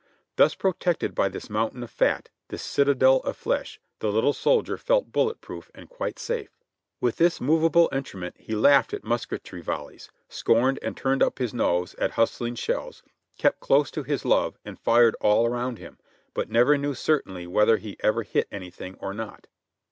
Thus protected by this mountain of fat, this citadel of flesh, the little soldier felt bullet proof and quite safe. With this movable entrement he laughed at musketry vol leys, scorned and turned up his nose at hustling shells, kept close to his love and fired all around him, but never knew certainly whether he ever hit anything or not.